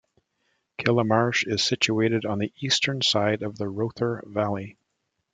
Killamarsh is situated on the eastern side of the Rother Valley.